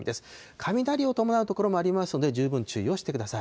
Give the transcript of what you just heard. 雷を伴う所もありますので、十分注意をしてください。